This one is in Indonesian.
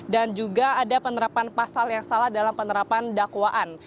dan juga ada penerapan pasal yang salah dalam penerapan dakwaan